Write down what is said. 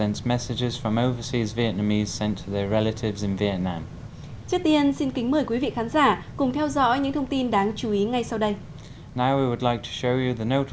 trước tiên xin kính mời quý vị khán giả cùng theo dõi những thông tin đáng chú ý ngay sau đây